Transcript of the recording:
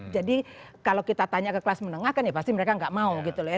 jadi kalau kita tanya ke kelas menengah kan ya pasti mereka gak mau gitu loh ya